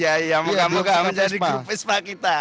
ya ya ya moga moga menjadi grup vespa kita